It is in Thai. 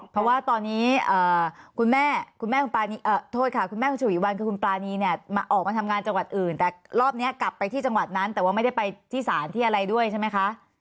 เพราะว่าตอนนี้คุณแม่คุณแม่คุณโทษค่ะคุณแม่คุณฉวีวันคือคุณปรานีเนี่ยออกมาทำงานจังหวัดอื่นแต่รอบนี้กลับไปที่จังหวัดนั้นแต่ว่าไม่ได้ไปที่ศาลที่อะไรด้วยใช่ไหมคะ